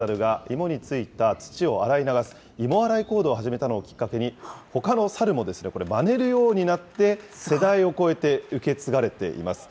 この島では昭和２８年に、１匹の子ザルが芋についた土を洗い流す芋洗い行動を始めたのをきっかけに、ほかのサルもまねるようになって、世代を超えて受け継がれています。